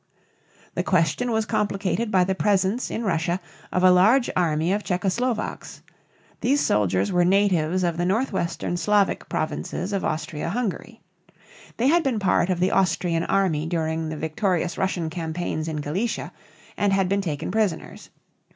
The question was complicated by the presence in Russia of a large army of Czecho Slovaks (check´o slovaks´). These soldiers were natives of the northwestern Slavic provinces of Austria Hungary. They had been part of the Austrian army during the victorious Russian campaigns in Galicia and had been taken prisoners.